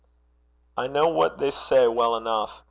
'I know what they say well enough.